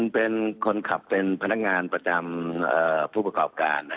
เป็นคนขับเป็นพนักงานประจำผู้ประกอบการ